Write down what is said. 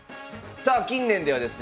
さあ近年ではですね